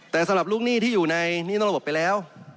แต่สำหรับลูกหนี้ที่อยู่ในหนี้นอกระบบไปแล้ว